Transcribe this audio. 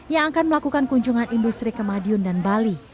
yang akan melakukan kunjungan industri ke madiun dan bali